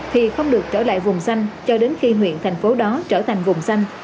thì không được trở lại vùng xanh cho đến khi huyện thành phố đó trở thành vùng xanh